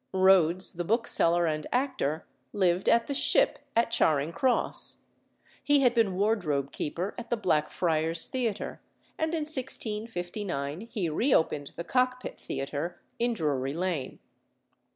Rhodes, the bookseller and actor, lived at the Ship at Charing Cross. He had been wardrobe keeper at the Blackfriars Theatre; and in 1659 he reopened the Cockpit Theatre in Drury Lane.